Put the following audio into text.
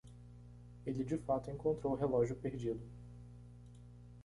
Ele de fato encontrou o relógio perdido.